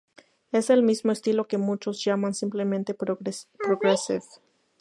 Es el mismo estilo que muchos llaman simplemente "Progressive".